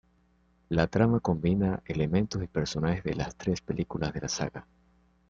La trama combina elementos y personajes de las tres películas de la saga.